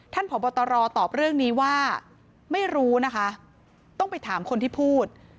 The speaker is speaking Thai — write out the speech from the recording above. พบตรตอบเรื่องนี้ว่าไม่รู้นะคะต้องไปถามคนที่พูด